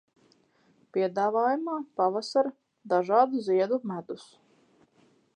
Piedāvājumā pavasara dažādu ziedu medus.